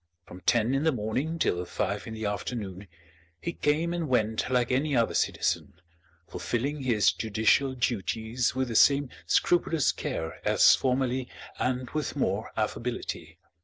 From ten in the morning till five in the afternoon, he came and went like any other citizen, fulfilling his judicial duties with the same scrupulous care as formerly and with more affability.